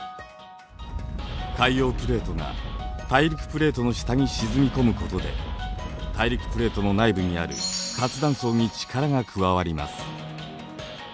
海洋プレートが大陸プレートの下に沈み込むことで大陸プレートの内部にある活断層に力が加わります。